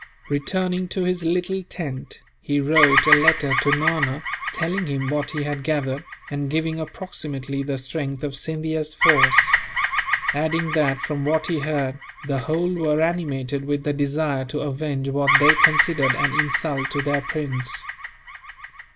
Returning to his little tent, he wrote a letter to Nana, telling him what he had gathered, and giving approximately the strength of Scindia's force; adding that, from what he heard, the whole were animated with the desire to avenge what they considered an insult to their prince.